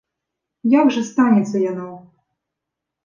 Як жа станецца яно?